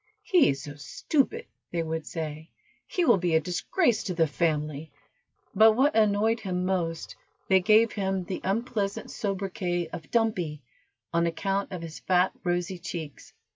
"He is so stupid," they would say, "he will be a disgrace to the family;" but what annoyed him most, they gave him the unpleasant sobriquet of Dumpy, on account of his fat, rosy cheeks.